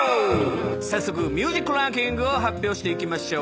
早速ミュージックランキングを発表していきましょう。